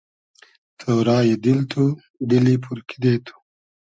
تۉرای دیل تو ، دیلی پور کیدې تو